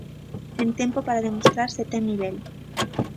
Sen tempo para demostrar se ten nivel.